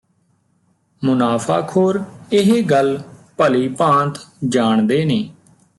ਮੁਨਾਫਾਖੋਰ ਇੱਹ ਗੱਲ ਭਲੀ ਭਾਂਤ ਜਾਣਦੇ ਨੇ